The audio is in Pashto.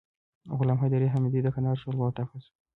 غلام حیدر حمیدي د کندهار ښاروال وټاکل سو